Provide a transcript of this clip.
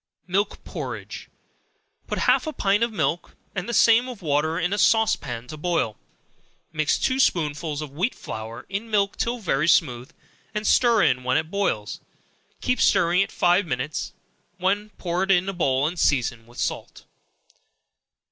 Milk Porridge. Put half a pint of milk, and the same of water, in a sauce pan to boil; mix two spoonsful of wheat flour in milk till very smooth, and stir in when it boils; keep stirring it five minutes, when pour it in a bowl and season with salt.